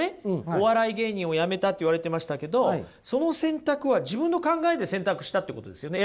「お笑い芸人を辞めた」って言われてましたけどその選択は自分の考えで選択したってことですよね？